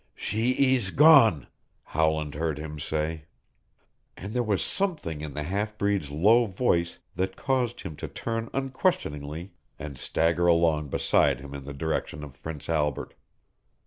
"She ees gone!" Howland heard him say; and there was something in the half breed's low voice that caused him to turn unquestioningly and stagger along beside him in the direction of Prince Albert.